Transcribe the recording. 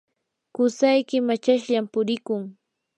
qusayki machashllam purikun.